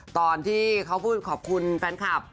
ตอนที่เขาพูดขอบคุณแฟนคลับ